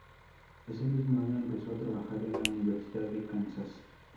Ese mismo año empezó a trabajar en la Universidad de Kansas.